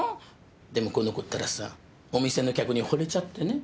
でもこの子ったらさお店の客に惚れちゃってね。